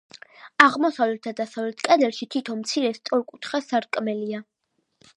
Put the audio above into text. აღმოსავლეთ და დასავლეთ კედელში თითო მცირე, სწორკუთხა სარკმელია.